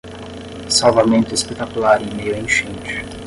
Salvamento espetacular em meio à enchente